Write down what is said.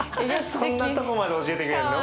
そんなとこまで教えてくれるの？